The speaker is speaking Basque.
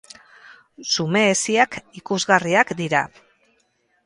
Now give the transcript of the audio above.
Zume hesiak ikusgarriak dira.